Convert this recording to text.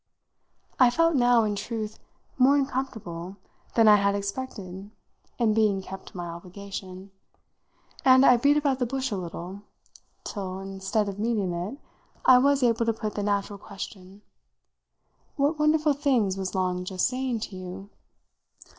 I felt now, in truth, more uncomfortable than I had expected in being kept to my obligation, and I beat about the bush a little till, instead of meeting it, I was able to put the natural question: "What wonderful things was Long just saying to you?"